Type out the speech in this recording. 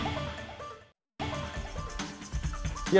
pemerintah dan pemerintah